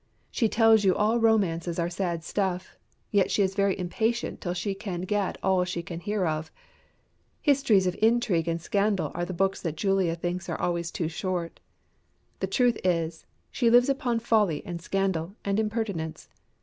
She tells you all romances are sad stuff, yet she is very impatient till she can get all she can hear of. Histories of intrigue and scandal are the books that Julia thinks are always too short. The truth is, she lives upon folly and scandal and impertinence.